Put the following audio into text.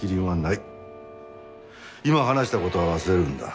今話した事は忘れるんだ。